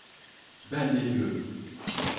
Ben ne diyorum?